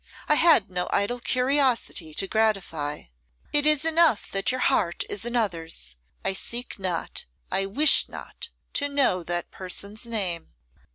I had no idle curiosity to gratify. It is enough that your heart is another's; I seek not, I wish not, to know that person's name.